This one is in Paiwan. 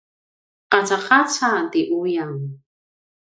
qacaqaca ti uyan